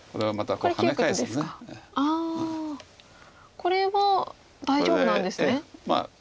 これは大丈夫なんですね。